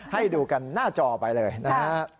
ให้ดูกันหน้าจอไปเลยนะฮะ